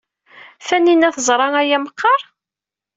Taninna teẓra aya meqqar?